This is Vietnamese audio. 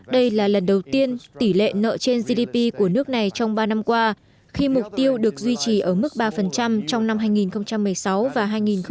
đây là lần đầu tiên tỷ lệ nợ trên gdp của nước này trong ba năm qua khi mục tiêu được duy trì ở mức ba trong năm hai nghìn một mươi sáu và hai nghìn một mươi tám